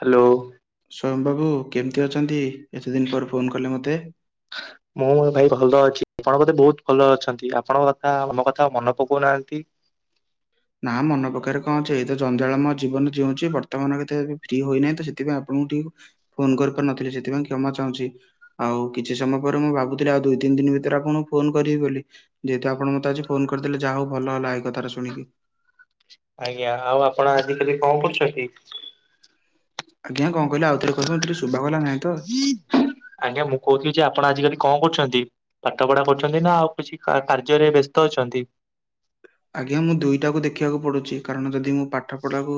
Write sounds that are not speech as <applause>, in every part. Hello. Swayam ବାବୁ କେମିତି ଅଛନ୍ତି ଏତେ ଦିନ ପରେ ଫୋନ କଲେ ମୋତେ? ହ ମୁଁ ଭାଇ ଭଲ ଅଛି ଆପଣ ବଧେ ବହୁତ ଭଲ ଅଛନ୍ତି ଆପଣଙ୍କ କଥା ଆମ କଥା ମନେ ପକଉନାହାଁନ୍ତି। ନା ମନେ ପକେଇବାରେ କଣ ଅଛି ଏଇ ତ ଜଞ୍ଜାଳ ମୟ ଜୀବନ ଜିଉଞ୍ଚି ବର୍ତ୍ତମାନ ବି ଏତେ ଏବେ ଫ୍ରି ହୋଇନାହିଁ ତ ସେଥିପାଇଁ ଆପଣଙ୍କୁ ଟିକ ଫୋନ କରିପାରୁନଥିଲି ସେଥିପାଇଁ କ୍ଷମା ଚାହୁଁଛି। ଆଉ କିଛି ସମୟ ପରେ ମୁଁ ଭାବୁଥିଲି ଆଉ ଦୁଇ ତିନି ଦିନ ଭିତରେ ଆପଣଂକୁ ଫୋନ କରିବି ବୋଲି। ଯେହେତୁ ଆପଣ ମତେ ଆଜି ଫୋନ କରିଦଲେ ଜାହା ହଉ ଭଲ ହେଲା ଏଇ କଥାଟା ଶୁିଣିକି। ଆଜ୍ଞା ଆଉ ଆପଣ ଆଜିିକାଲି କଣ କରୁଛନ୍ତି? ଆଜ୍ଞା କଣ କହିଲେ ଆଉଥରେ କହିବେ ମତେ ଟିକେ ଶୁଭାଗଲାନାହିଁ ତ। ଆଜ୍ଞା ମୁଁ କହୁଥିଲି ଯେ ଆପଣ ଆଜିକାଲି କଣ କରୁଛନ୍ତି? ପାଠ ପଢା କରୁଛନ୍ତି ନା ଆଉ କିଛି କାର୍ଯ୍ୟରେ ବ୍ୟସ୍ତ ଅଛନ୍ତି। ଆଜ୍ଞା ମୁଁ ଦୁଇଟାକୁ ଦେଖିବାକୁ ପଡୁଛି କାରଣ ଯଦି ମୁଁ ପାଠ ପଢାକୁ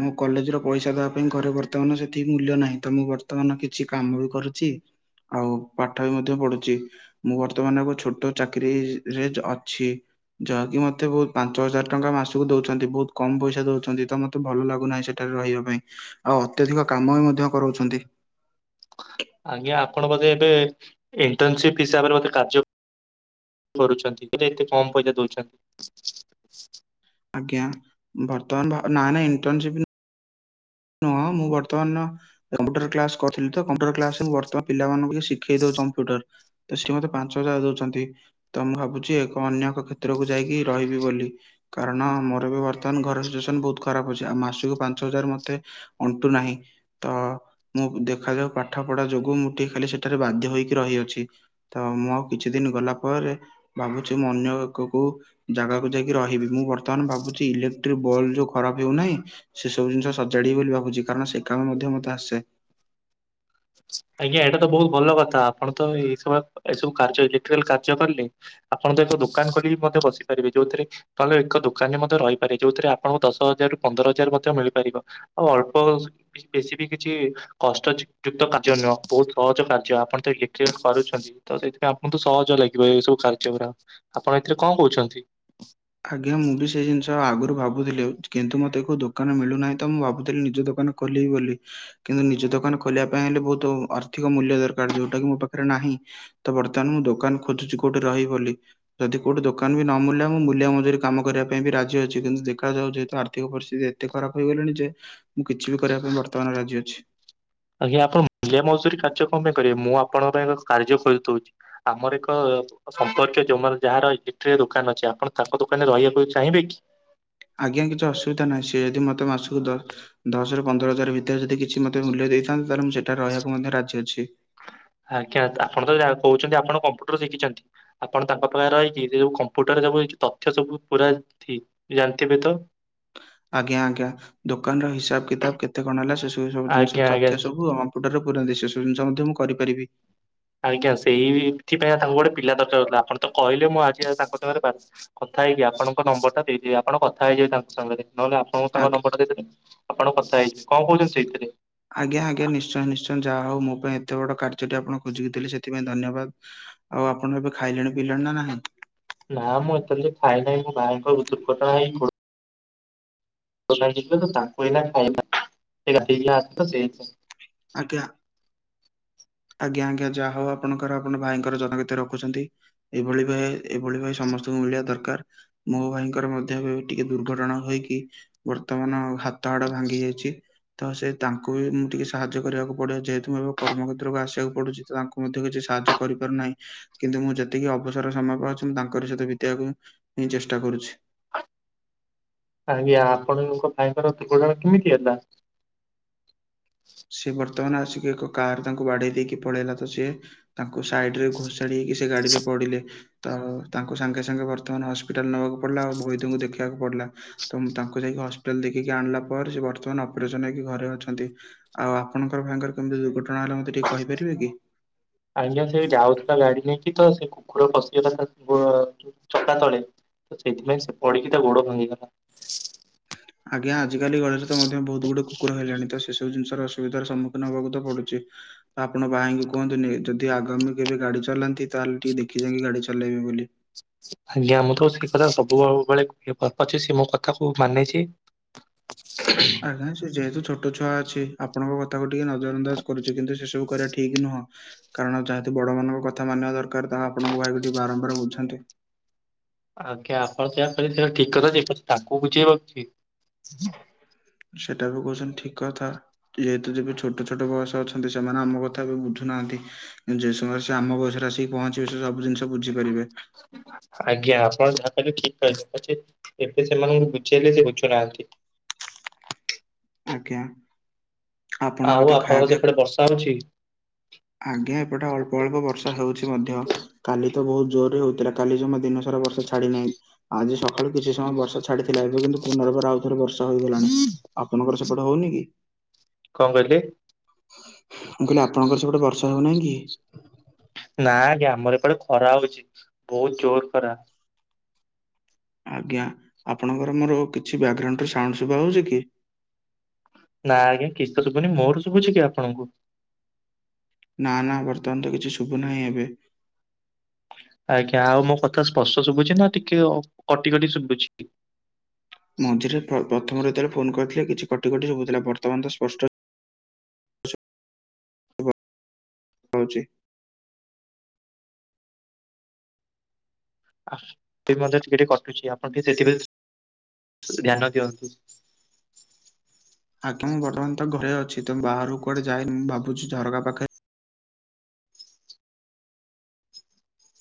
ମୁଁ କଲେଜ ର ପଇସା ଦେବା ପାଇଁ ଘରେ ବର୍ତ୍ତମାନ ସେତିକି ମୂଲ୍ୟ ନାହିଁ ତ ମୁଁ ବର୍ତ୍ତମାନ କିଛି କାମ ବି କରୁଛି ଆଉ ପାଠ ବି ମଧ୍ୟ ପଢୁଛି। ମୁଁ ବର୍ତ୍ତମାନ ଏକ ଛୋଟ ଚାକିରିୀରେ ଅଛି। ଯାହାକି ମୋତେ ବହୁତ ପାଞ୍ଚ ହଜାର ଟଙ୍କା ମାସକୁ ଦଉଛନ୍ତି ବହୁତ କମ ପଇସା ଦଉଛନ୍ତି ତ ମତେ ଭଲ ଲାଗୁନାହିଁ ସେଠ ସେଠାରେ ରହିବା ପାଇଁ ଆଉ ଅତ୍ୟଧିକ କାମ ବି ମଧ୍ୟ କରଉଛନ୍ତି। ଆଜ୍ଞା ଆପଣ ବୋଧେ ଏବେ ଇଣ୍ଟନସିପ ହିସାବରେ ବୋଧେ କାର୍ଯ୍ୟ କରୁଛନ୍ତି ତେବେ ଏତେ କମ ପଇସା ଦଉଛନ୍ତି। ଆଜ୍ଞା ବର୍ତ୍ତମାନ ନା ନା ଇଣ୍ଟନସିପ ନୁ ନୁଁହ ମୁଁ ବର୍ତ୍ତମାନ କମ୍ପୁଟର କ୍ଲାସ କରିଥିଲିତ କମ୍ପ୍ୟୁଟର କ୍ଲାସମୁଁ ବର୍ତ୍ତ ପିଲାମାନଙ୍କୁବି ଶିଖେଇ ଦଉଚି କମ୍ପ୍ୟୁଟର। ତ ସିଏ ମତେ ପାଞ୍ଚ ହଜାର ଦଉଛନ୍ତି। ତ ମୁଁ ଭାବୁଛି ଏକ ଅନ୍ୟ ଏକ କ୍ଷେତ୍ରକୁ ଯାଇକି ରହିବି ବୋଲି। କାରଣ ମୋର ବି ବର୍ତ୍ତମାନ ଘର ସିଚୁଏସନ ବହୁତ ଖରାପ ଅଛି ଆଉ ମାସକୁ ପାଞ୍ଚ ହଜାର ମତେ ଅଣ୍ଟୁ ନାହିଁ। ତ ମୁଁ ଦେଖାଯାଉ ପାଠ ପଢା ଯୋଗୁଁ ମୁଁ ଟିକେ ଖାଲି ସେଠାରେ ବାଧ୍ୟ ହୋଇକି ରହିଅଛି। ତ ମୁଁ ଆଉ କିଛି ଦିନ ଗଲା ପରେ ଭାବୁଛି ମୁଁ ଅନ୍ୟ ଏକକୁ ଜାଗାକୁ ଯାଇକି ରହିବି ମୁଁ ବର୍ତମାନ ଭାବୁଛି ଇଲେକ୍ଟ୍ରିକ ବଲ୍ ଯୋଉ ଖରାପ ହେଉନାହିଁ ସେ ସବୁ ଜିନିଷସ ସଜାଡ଼ିବି ବୋଲି ଭାବୁଛି କାରଣ ସେ କାମ ମଧ୍ୟ ମତେ ଆସେ। ଆଜ୍ଞା ଏଇଟା ତ ବହୁତ ଭଲ କଥା ଆପଣ ତ ଏଇ ସୁ ଏ ସବୁ କାର୍ଯ୍ୟଇଲେକ୍ଟ୍ରିକାଲ କାର୍ଯ୍ୟ କଲେ ଆପଣ ତ ଏକ ଦୋକାନ କରିକି ମଧ୍ୟ ବସିପାରିବେ ଯୋଉଥିରେ ତାହେଲେ ଏକ ଦୋକାନରେ ମଧ୍ୟ ରହିପାରେ ଯୋଉଥିରେ ଆପଣଙ୍କୁ ଦଶ ହଜାରରୁୁ ପନ୍ଦର ହଜାର ମଧ୍ୟ ମିଳିପାରିବ। ଆଉ ଅଳ୍ପ ବେଶୀ ବି କିଛି କଷ୍ଟଯୁକ୍ତ କା କାର୍ଯ୍ୟ ନୁହଁ ବହୁତ ସହଜ କାର୍ଯ୍ୟ ଆପଣତ ହିଟ୍ରେଲ କରୁଛନ୍ତି। ତ ସେଇଥିପାଇଁ ଆପଣଙ୍କୁୁତ ସହଜ ଲାଗିବ ଏଇ ସବୁ କାର୍ଯ୍ୟ ଗୁରାକ ଆପଣ ଏଥିରେ କଣ କହୁଛନ୍ତି? ଆଜ୍ଞା ମୁଁ ବି ସେଇ ଜିନିଷ ଆଗରୁ ଭାବୁଥିଲି କିନ୍ତୁ ମୋତେ କଉ ଦୋକାନ ମିଳୁନାହିଁ ତ ମୁଁ ଭାବୁଥିଲି ନିଜ ଦୋକାନ ଖୋଲିବି ବୋଲି। କିନ୍ତୁ ନିଜ ଦୋକାନ ଖୋଲିବା ପାଇଁ ହେଲେ ବହୁତୁ ଆର୍ଥିକ ମୂଲ୍ୟ ଦରକାର, ଯୋଉଟା କିି ମୋ ପାଖରେ ନାହିଁ। ତ ବର୍ତ୍ତମାନ ମୁଁ ଦୋକାନ ଖୋଜୁଛି କୋଉଠି ରହିିବ ବୋଲି, ଯଦି କୋଉଠି ଦୋକାନ ବି ନ ମିଳିଲା ମୁଁ ମୁ ମୁଲିଆ ମଜୁରୀ କାମ କରିବା ପାଇଁ ବି ରାଜି ଅଛି, କିନ୍ତୁ ଦେଖାଯାଉ ଯେହେତୁ ଆର୍ଥିକ ପରିସ୍ଥିତି ଏତେ ଖରାପ ହୋଇଗଲାଣି ଯେ ମୁଁ କିଛି ବି କରିବା ପାଇଁ ବର୍ତ୍ତମାନ ରାଜି ଅଛି। ଆଜ୍ଞା ଆପଣ ମୁଲିଆ ମଜୁରୀ କାର୍ଯ୍ୟ କଣ ପାଇଁ କରିବେ ମୁଁ ଆପଣଙ୍କ ପାଇଁ ଏବେ କାର୍ଯ୍ୟ ଖୋଜି ଦଉଛି। ଆମର ଏକ ସମ୍ପର୍କୀୟ ଯୋଉ ମୋର ଯାହାର ଇଲେକ୍ଟ୍ରିକ୍ ଦୋକାନ ଅଛି, ଆପଣ ତାଙ୍କ ଦୋକାନରେ ରହିବାକୁ ଚାହିଁବେ କି? ଆଜ୍ଞା କିଛି ଅସୁବିଧା ନାହିଁ। ସିଏ ଯଦି ମୋତେ ମାସକୁ ଦ- ଦଶରୁ ପନ୍ଦର ହଜାର ଭି ତରେ ଯଦି କିଛି ମୋତେ ମୂଲ୍ୟ ଦେଇଥାନ୍ତେ। ତାହେଲେ ମୁଁ ସେଠାରେ ରହିବାକୁ ମଧ୍ୟ ରାଜି ଅଛି। ଆଜ୍ଞା ତଶଆପଣ ତ ଯା କହୁଛନ୍ତି ଆପଣ କମ୍ପୁଟର ଶିଖିଛନ୍ତି। ଆପଣ ତାଙ୍କ ପାଖରେ ରହିକି ଯେଉ କମ୍ପୁଟରରେ ସବୁ ଏଇ ଯେ ତଥ୍ୟ ସବୁ ପୁରା ଠିକ୍ ଯେ ଜାଣି ଥିବେ ତ? ଆଜ୍ଞା, ଆଜ୍ଞା ଦୋକାନର ହିସାବ କିତାବ କେତେ କଣ ହେଲା ସେ ସବୁ ସବୁ ଜିନିଷ ଆଜ୍ଞା ଆଜ୍ଞା। ତଥ୍ୟ ସବୁ ହଁ କମ୍ପୁଟରର ପୁରାନ୍ତି ସେ ସବୁ ଜିନିଷ ମଧ୍ୟ ମୁଁ କରିପାରିବି। ଆଜ୍ଞା ସେଇଥିପାଇଁ ତାଙ୍କୁ ଗୋଟେ ପିଲା ଦରକାର ହଉଥିଲା, ଆପଣ ତ କହିଲେ ମୁଁ ଆଜି <inaudible> ତାଙ୍କ ସାଙ୍ଗରେ <inaudible> କଥା ହେଇକି ଆପଣଙ୍କ ନମ୍ବର୍ ଟା ଦେଇ ଦେବି, ଆପଣ କଥା ହେଇଯିବେ ତାଙ୍କ ସାଙ୍ଗରେ। ନହେଲେ ଆ ମୁଁ ତାଙ୍କ ନମ୍ବର୍ ଟା ଦେଇଦେବି ଆପଣ କଥା ହେଇଯିବେ, କଣ କହୁଛନ୍ତି ସେଇଥିରେ? ଆଜ୍ଞା, ଆଜ୍ଞା ନିଶ୍ଚୟ ନିଶ୍ଚୟ ଯାହା ହଉ ମୋ ପାଇଁ ଏତେ ବଡ଼ କାର୍ଯ୍ୟଟି ଆପଣ ଖୋଜିକି ଦେଲେ ସେଥିପାଇଁ ଧନ୍ୟବାଦ। ଆଉ ଆପଣ ଏବେ ଖାଇଲେଣି ପିଇଲେଣି ନା ନାହିଁ? ନା ମୁଁ ଏକ୍ଚୁଲି ରେ ଖାଇ ନାହିଁ, ମୋ ଭାଇଙ୍କ ରୁ ଦୁର୍ଘଟଣା ହେଇ <unintelligible> ତ ତାଙ୍କେ ଯିବେ ତ ତାଙ୍କୁ ଏଇନା ଖାଇବା ସେ ଗାଧେଇକି ଆସେ ତ ସେଇଥିପାଇଁ। ଆଜ୍ଞା। ଆଜ୍ଞା, ଆଜ୍ଞା ଯାହା ହଉ ଆପଣଙ୍କର ଆପଣ ଭାଇଙ୍କର ଯତ୍ନ କେତେ ରଖୁଛନ୍ତି। ଏଭଳି ଭା- ଏଭଳି ଭାଇ ସମସ୍ତଙ୍କୁ ମିଳିବା ଦରକାର। ମୋ ଭାଇଙ୍କର ମଧ୍ୟ ବି ଟିକେ ଦୁର୍ଘଟଣା ହୋଇକି ବର୍ତ୍ତମାନ ହା ତ ହାଡ଼ ଭାଙ୍ଗି ଯାଇଛି, ତ ସେ ତାଙ୍କୁ ବି ମୁଁ ଟିକେ ସାହାଯ୍ଯ କରିବାକୁ ପଡ଼ିବ। ଯେହେତୁ ମୁଁ ଏବେ କର୍ମକ୍ଷେତ୍ରକୁ ଆସିବାକୁ ପଡୁଚି, ତ ତାଙ୍କୁ ମଧ୍ୟ କିଛି ସାହାଯ୍ୟ କରିପାରୁନାହିଁ। କିନ୍ତୁ ମୁଁ ଯେତିକି ଅବସର ସମୟ ପାଉଛି ମୁଁ ତାଙ୍କରି ସହିତ ବିତେଇବାକୁ ମୁଁ ହିଁ ଚେଷ୍ଟା କରୁଛି। ଆଜ୍ଞା, ଆପଣଙ୍କ ଭାଇଙ୍କର ଦୁର୍ଘଟଣା କେମିତି ହେଲା? ସିଏ ବର୍ତ୍ତମାନ ଆସିକି ଏକ କାର୍ ତାଙ୍କୁ ବାଡ଼େଇ ଦେଇକି ପଳେଇଲା ତ ସିଏ ତାଙ୍କୁ ସାଇଡ୍ ରେ ଘୋଷାଡ଼ି ହେଇକି ସେ ଗାଡ଼ିରେ ପଡ଼ିଲେ। ତ ତାଙ୍କୁ ସାଙ୍ଗେ ସାଙ୍ଗେ ବର୍ତ୍ତମାନ ହସ୍ ପିଟାଲ୍ ନବାକୁ ପଡ଼ିଲା, ଆଉ ବଇଧଙ୍କୁ ଦେଖିବାକୁ ପଡ଼ିଲା। ତ ମୁଁ ତାଙ୍କୁ ଯାଇକି ହସ୍ପିଟାଲ୍ ଦେଖେଇକି ଆଣିଲା ପରେ ସେ ବର୍ତ୍ତମାନ ଅପରେସନ୍ ହେଇକି ଘରେ ଅଛନ୍ତି। ଆଉ ଆପଣଙ୍କର ଭାଇଙ୍କର କେମିତି ଦୁର୍ଘଟଣା ହେଲା ମୋତେ ଟିକେ କହିପାରିବେ କି? ଆଜ୍ଞା ସେ ଯାଉଥୁଲା ଗାଡ଼ି ନେଇକି ତ ସେ କୁକୁର ପଶିଗଲା ତା ଗୋଡ଼ ଚକା ତଳେ ତ ସେଇଥିପାଇଁ ସେ ପଡ଼ିକି ତା ଗୋଡ଼ ଭାଙ୍ଗିଗଲା। ଆଜ୍ଞା, ଆଜିକାଲି ଗଳିରେ ତ ମଧ୍ୟ ବହୁତ ଗୁଡ଼େ କୁକୁର ହେଲେଣି, ତ ସେସବୁ ଜିନିଷ ର ଅସୁବିଧାର ସମ୍ମୁଖୀନ ହବାକୁ ତ ପଡୁଛି। ଆପଣ ଭାଇଙ୍କୁ କୁହନ୍ତୁ ନି- ଯଦି ଆଗାମୀ କେବେ ଗାଡ଼ି ଚଳାନ୍ତି ତାହେଲେ ଟିକେ ଦେଖି ଚାହିଁକି ଗାଡ଼ି ଚଳେଇବେ ବୋଲି। ଆଜ୍ଞା ମୁଁ ତ ସେ କଥା ସବୁବ ବେଳେ କୁହେ ପ-ପଛେ ସିଏ ମୋ କଥା କୁ ମାନିଛି। ହେଲେ ସେ ଯେହେତୁ ଛୋଟ ଛୁଆ ଅଛି ଆପଣଙ୍କ କଥାକୁ ଟିକେ ନଜର ଅନ୍ଦାଜ କରୁଛି, କିନ୍ତୁ ସେ ସବୁ କରିବା ଠିକ୍ ନୁହଁ। କାରଣ ଯେହେତୁ ବଡ଼ ମାନଙ୍କ କଥା ମାନିବା ଦରକାର ତାହା ଆପଣଙ୍କ ଭାଇ ଟିକେ ବାରମ୍ବାର ବୁଝାନ୍ତୁ। ଆଜ୍ଞା ଆପଣ ଯାହା କହିଲେ ସେଟା ଠିକ୍ କଥା ଯେ କିନ୍ତୁ ତାକୁ ବୁଝେଇବ କିଏ। ସେଟା ବି କହୁଛନ୍ତି ଠିକ୍ କଥା। ଯେହେତୁ ଯେବେ ଛୋଟ ଛୋଟ ବୟସ ଅଛନ୍ତି ସେମାନେ ଆମ କଥା ଏବେ ବୁଝୁ ନାହାନ୍ତି। ଯଉ ସମୟରେ ସେ ଆମ ବୟସରେ ଆସିକି ପହଞ୍ଚିବେ, ସେ ସବୁ ଜିନିଷ ବୁଝିପାରିବେ। ଆଜ୍ଞା। ଆପଣ ଯାହା କହିଲେ ଠିକ୍ କହିଲେ। ଏବେ ସେମାନଙ୍କୁ ବୁଝେଇଲେ ସେ ବୁଝୁନାହାନ୍ତି। ଆଜ୍ଞା। ଆପଣ ଏବେ ଆଉ ତ ଖାଇବା ଆପଣଙ୍କର ପିଇବା ସେପଟେ ବର୍ଷା ହଉଚି। ଆଜ୍ଞା। ଏପଟେ ଅଳ୍ପ ଅଳ୍ପ ବର୍ଷା ହେଉଚି ମଧ୍ୟ। କାଲି ତ ବହୁତ ଜୋରରେ ହଉଥିଲା। କାଲି ଜମା ଦିନରେ ସାରା ବର୍ଷା ଛାଡ଼ି ନାହିଁ। ଆଜି ସକାଳୁ କିଛି ସମୟ ବର୍ଷା ଛାଡ଼ି ଥିଲା। ଏବେ କିନ୍ତୁ ପୁନର୍ବାର ଆଉ ଥରେ ବର୍ଷା ହୋଇଗଲାଣି। ଆପଣଙ୍କର ସେପଟେ ହଉନି କି? କଣ କହିଲେ? ମୁଁ କହିଲି ଆପଣଙ୍କ ର ସେପଟେ ବର୍ଷା ହଉନାହିଁ କି? ନାଁ ଆଜ୍ଞା, ଆମର ଏପଟେ ଖରା ହଉଚି ବହୁତ୍ ଜୋରେ ଖରା। ଆଜ୍ଞା। ଆପଣଙ୍କର ମୋର କିଛି ବ୍ୟାଗଗ୍ରାଉଣ୍ଡରେ ସାଉଣ୍ଡ ସୁଭା ଯାଉଚି କି? ନା ଆଜ୍ଞା କିଛିତ ଶୁଭୁନି। ମୋର ଶୁଭୁଛି କି ଆପଣଙ୍କୁ? ନା ନା ବର୍ତ୍ତମାନ ତ କିଛି ଶୁଭୁ ନାହିଁ ଏବେ। ଆଜ୍ଞା। ଆଉ ମୋ କଥା ସ୍ପଷ୍ଟ ଶୁଭୁଚି ନା ଟିକେ ଅ କଟି କଟି ଶୁଭୁଚି? ମଝିରେ ପ୍ର ପ୍ରଥମରେ ଯେତବେଳେ ଫୋନ କରିଥିଲେ କିଛି କଟି କଟି ଶୁଭୁଥିଲା। ବର୍ତ୍ତମାନ ତ ସ୍ପଷ୍ଟ <unintelligible> ହଉଚି। <unintelligible> ମଧ୍ୟ ଟିକେ ଟିକେ କଟୁଚି ଆପଣ ଟିକେ ସେଥିପାଇଁ ଧ୍ୟାନ ଦିଅନ୍ତୁ। ଆଜ୍ଞା, ମୁଁ ବର୍ତ୍ତମାନ ତ ଘରେ ଅଛି। ତ ବାହାରକୁ କୁଆଡେ ଯାଇନି। ମୁଁ ଭାବୁଚି ଝରକା ପାଖେ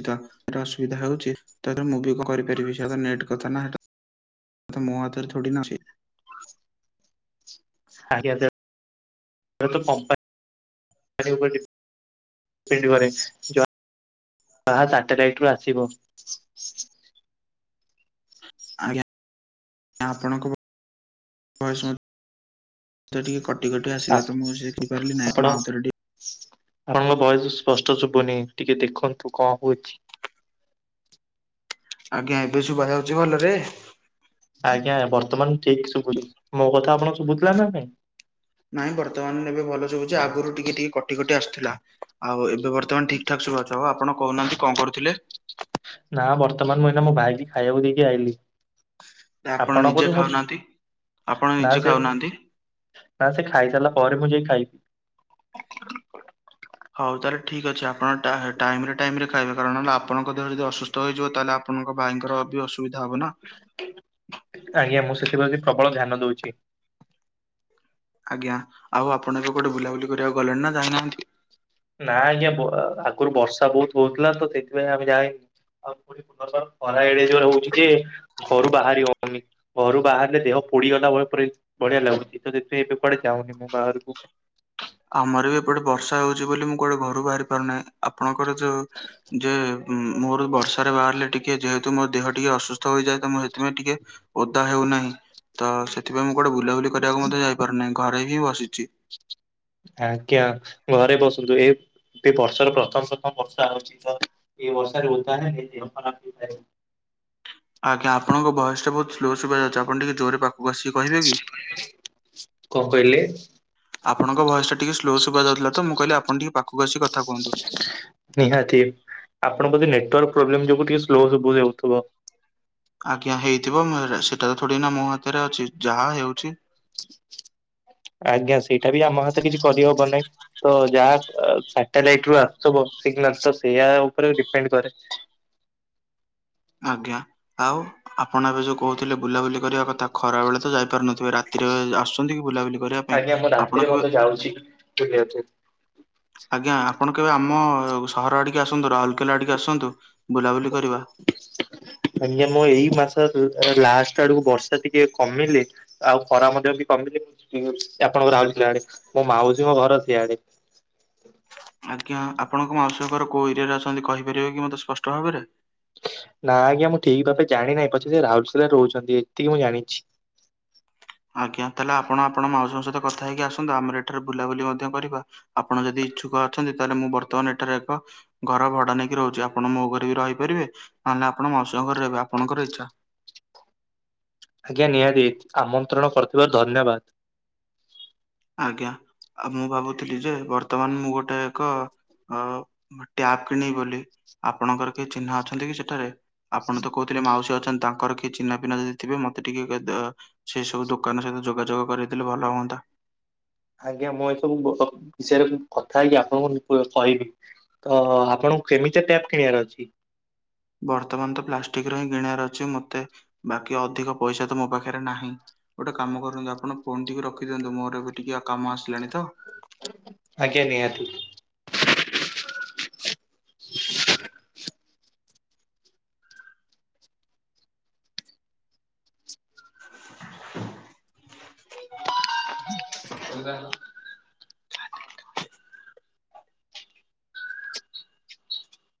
<unintelligible> ଅସୁବିଧା ହଉଚି ତ ଏଥିରେ ମୁଁ ବି କଣ କରିପାରିବି, ସେତ ନେଟ୍ କଥା ନା। ତ ମୋ ହାତରେ ଥୋଡି ନା ଅଛି। <unintelligible> <unintelligible> ଯାହା ସାଟେଲାଇଟ୍ ରୁ ଆସିବ। ଆଜ୍ଞା। ଆ ଆପଣଙ୍କ ଭଏସ୍ ମତେ ଟିକେ କଟ କଟି କଟି ଆସିଲା ତ, ମୁଁ ସିଖିପାରିଲି ନାହିଁ ଆପଣ ଆଉଥରେ ଟିକେ ଆପଣଙ୍କ ଭଏଶ୍ ସ୍ପଷ୍ଟ ଶୁଭୁନି। ଟିକେ ଦେଖନ୍ତୁ କଣ ହଉଚି। ଆଜ୍ଞା ଏବେ ଶୁଭା ଯାଉଚି ଭଲରେ? ଆଜ୍ଞା। ବର୍ତ୍ତମାନ ଠିକି ଶୁଭୁଚି। ମୋ କଥା ଆପଣଙ୍କୁ ଶୁଭୁଥିଲା ନା ନାଇଁ? ନାଇଁ ବର୍ତ୍ତମାନ ଏବେ ଭଲ ଶୁବୁଚି। ଆଗୁରୁ ଟିକେ ଟିକେ କଟି କଟି ଆସୁଥିଲା। ଆଉ ଏବେ ବର୍ତ୍ତମାନ ଠିକ୍ ଠାକ୍ ସୁବା ଯାଉଚି। ଆଉ ଆପଣ କହୁନାହାନ୍ତି କଣ କରୁଥିଲେ? ନା ବର୍ତ୍ତମାନ ମୁଁ ଏଇନା ମୋ ଭାଇକି ଖାଇବାକୁ ଦେଇକି ଆଇଲିି। ଆପଣ ଆପଣଙ୍କ ନିଜେ ଠୁ ମୁଁ ଶୁ ଖାଉନାହାନ୍ତି। ଆପଣ ନା ନିଜେ ସେ ଖାଉନାହାନ୍ତି। ନା ସେ ଖାଇ ସାରିଲା ପରେ ମୁଁ ଯାଇ ଖାଇବି। ହଉ ତାହେଲେ ଠିକ୍ ଅଛି ଆପଣ ଟା ଟାଇମ ରେ ଟାଇମ ରେ ଖାଇବେ କାରଣ ହେଲା ଆପଣଙ୍କ ଦେହ ଯଦି ଅସୁ ସ୍ଥ ହେଇଯିବ ତାହେଲେ ଆପଣଙ୍କ ଭାଇଙ୍କର ବି ଅସୁବିଧା ହବ ନା। ଆଜ୍ଞା ମୁଁ ସେଥିପ୍ରତି ପ୍ରବଳ ଧ୍ୟାନ ଦଉଚି। ଆଜ୍ଞା। ଆଉ ଆପଣ ଏବେ କୁଆଡେ ବୁଲାବୁଲି କରିବାକୁ ଗଲେଣି ନା ଯାଇନାହାନ୍ତି? ନା ଆଜ୍ଞା ବ ଆଗୁରୁ ବର୍ଷା ବହୁତ ହଉଥିଲା ତ ସେଥିପାଇଁ ଆମେ ଯାଇନୁ। ଆଉ ପୁଣି ଖରା ଏଡେ ଜୋରେ ହଉଚି ଯେ ଘରୁ ବାହାରି ହଉନି। ଘରୁ ବାହାରିଲେ ଦେହ ପୋଡିଗଲା ଭ ପରି ଭଳିଆ ଲାଗୁଚି। ତ ସେଥିପାଇଁ ଏବେ କୁଆଡେ ଯାଉନି ମୁଁ ବାହାରକୁ। ଆମର ବି ଏପଟେ ବର୍ଷା ହଉଚି ବୋଲି ମୁଁ କୁଆଡେ ଘରୁ ବାହାରି ପାରୁନାହିଁ। ଆପଣଙ୍କର ଯୋଉ ଯେ ଉଁ ମୋର ବର୍ଷାରେ ବାହାରିଲେ ଟିକେ ଯେହେତୁ ମୋ ଦେହ ଟିକେ ଅସୁସ୍ଥ ହୋଇଯାଏ, ତ ମୁଁ ହେଥିପାଇଁ ଟିକେ ଓଦା ହେଉନାହିଁ। ତ ସେଥିପାଇଁ ମୁଁ କୁଆଡେ ବୁଲାବୁଲି କରିବାକୁ ମଧ୍ୟ ଯାଇପାରୁନାହିଁ। ଘରେ ହିଁ ବସିଚି। ଆଜ୍ଞା। ଘରେ ବସନ୍ତୁ। ଏ ଏ ବର୍ଷର ପ୍ରଥମ ପ୍ରଥମ ବର୍ଷା ହଉଚି ତ ଏ ବର୍ଷାରେ ଓଦା ହେଲେ ଦେହଖରାପ ହେଇଥାଏ। ଆଜ୍ଞା ଆପଣଙ୍କ ଭଏସ ଟା ବହୁତ ସ୍ଲୋ ସୁଭା ଯାଉଚି ଆପଣ ଟିକେ ଜୋରେ ପା ଗୋସି କହିବେ କି କଣ କହିଲେ ଆପଣଙ୍କ ଭଏସ ଟା ଟିକେ ସ୍ଲୋ ଶୁଭା ଯାଉଥିଲା ତ ମୁଁ କହିଲି ଆପଣ ଟିକେ ପାଖକୁ ଆସିି କଥା କୁହନ୍ତୁ। ନିହାତି ଆପଣ ବୋଧେ ନେଟୱର୍କ ପ୍ରୋବ୍ଲେମ ଯୋଗୁ ଟିକେ ସ୍ଲୋ ସୁଭୂଜାଉଥିବ। ଆଜ୍ଞା ହେଇଥିବ ମୋର ସେଟା ତ ଥୋଡି ନା ମୋ ହାତରେ ଅଛି ଯାହା ହେଉଛି ଆଜ୍ଞା ସେଇଟା ବି ଆମ ହାତ କିଛି କରିହବ ନାଇଁ। ତ ଯାହା ଅ ସାଟେଲାଇଟ ରୁ ଆସୁଥିବ ସିଗ୍ନାଲ ତ ସେଇୟା ଉପରେ ଡିପେଣ୍ଡ କରେ। ଆଜ୍ଞା ଆଉ ଆପଣ ଏବେ ଯୋଉ କହୁଥିଲେ ବୁଲାବୁଲି କରିବା କଥା ଖରା ବେଳେ ତ ଯାଇପାରୁନଥିବେ ରାତିରେ ଆସୁଛନ୍ତି କି ବୁଲାବୁଲି କରିବା ପାଇଁ ଆପଣ କେବେ ଯାଉଛି। ଠିକ୍ ଅଛି। ଆଜ୍ଞା ଆପଣ କେବେ ଆମ ସହର ଆଡିକି ଆସନ୍ତୁ ରାଉରକେଲା ଆଡିକି ଆସନ୍ତୁ ବୁଲାବୁଲି କରିବା। ଆଜ୍ଞା ମୁଁ ଏଇ ମାସ କୁ ଲାଷ୍ଟ ଆଡକୁ ବର୍ଷା ଟିକେ କମିଲେ ଆଉ ଖରା ମଧ୍ୟ ବି କମିଲେ ଇ ଆପଣଙ୍କ ରାଉଲକେଲା ଆଡ଼େ ମୋ ମାଉସୀଙ୍କ ଘର ସିଆଡେ। ଆଜ୍ଞା ଆପଣଙ୍କ ମାଉସୀ ଘର କୋଉ ଏରିଆରେ ଅଛନ୍ତି କହିପାରିବେ କି ମତେ ସ୍ପଷ୍ଟ ଭାବରେ। ନା ଆଜ୍ଞା ମୁଁ ଠିକ ଭାବେ ଜାଣି ନାହିଁ ପଛେ ସେ ରାଉରକେଲାରେ ରହୁଛନ୍ତି ଏତିକି ମୁଁ ଜାଣିଛି। ଆଜ୍ଞା ତାହେଲେ ଆପଣ ଆପଣ ମାଉସୀଙ୍କ ସହିତ କଥା ହେଇକି ଆସନ୍ତୁ ଆମର ଏଠାରେ ବୁଲାବୁଲି ମଧ୍ୟ କରିବା। ଆପଣ ଯଦି ଇଛୁକ ଅଛନ୍ତି ତାହେଲେ ମୁଁ ବର୍ତ୍ତମାନ ଏଠାରେ ଏକ ଘର ଭଡା ନେଇକି ରହୁଛି ଆପଣ ମୋ ଘରେ ବି ରହିପାରିବେ ଆ ନ ଆପଣ ମାଉସି ଘରେ ରହିବେ ଆପଣଙ୍କର ଇଚ୍ଛା। ଆଜ୍ଞା ନିହାତି ଆମନ୍ତ୍ରଣ କରିଥିବାରୁ ଧନ୍ୟବାଦ। ଆଜ୍ଞା ଆଉ ମୁଁ ଭାବୁଥିଲି ଯେ ବର୍ତ୍ତମାନ ମୁଁ ଗୋଟେ ଏକ ଅ ଟ୍ୟାପ୍ କିଣିବି ବୋଲି ଆପଣଙ୍କର କିଏ ଚିହ୍ନା ଅଛନ୍ତି କି ସେଠାରେ ଆପଣ ତ କହୁ ଥିଲେ ମାଉସୀ ଅଛନ୍ତି ତାଙ୍କର କିଏ ଚିହ୍ନାି ପିହ୍ନା ଯଦି ଥିବେ ମତେ ଟିକେ ଏ ଦ ସେ ସବୁ ଦୋକାନ ସହିତ ଯୋଗାଯୋଗ କରେଇଦେଲେ ଭଲ ହୁଅନ୍ତା। ଆଜ୍ଞା ମୁଁ ଏ ସବୁ ବ ବ ବିଷୟରେ ବି କଥା ହେଇକି ଆପଣଙ୍କୁ ନି ପ କହିବି। ତ ଆପଣଙ୍କୁ କେମିତିଆ ଟ୍ୟାପ୍ କିଣିବାର ଅଛି। ବର୍ତ୍ତମାନ ତ ପ୍ଲାଷ୍ଟିକ ର ହିଁ କିଣିବାର ଅଛି ମତେ ବାକି ଅଧିକ ପଇସା ତ ମୋ ପାଖରେ ନାହିଁ। ଗୋଟେ କାମ କରନନ୍ତୁ ଆପଣ ଫୋନ୍ ଟିକେ ରଖିଦିଅନ୍ତୁ ମୋର ଏବେ ଟିକେ କାମ ଆସିଲାଣି ତ। ଆଜ୍ଞା ନିହାତି। <inaudible> <inaudible> <inaudible>